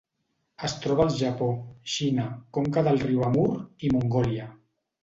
Es troba al Japó, Xina, conca del riu Amur i Mongòlia.